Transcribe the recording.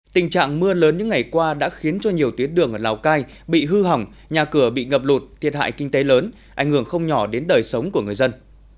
tình trạng mưa lớn những ngày qua đã khiến cho nhiều tuyến đường ở lào cai bị hư hỏng nhà cửa bị ngập lụt thiệt hại kinh tế lớn ảnh hưởng không nhỏ đến đời sống của người dân